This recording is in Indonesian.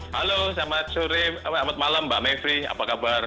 halo selamat malam mbak mavri apa kabar